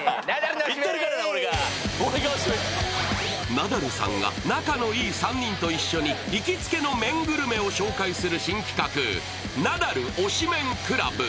ナダルさんが仲のいい３人と一緒に行きつけの麺グルメを紹介する新企画「ナダル推し麺クラブ」。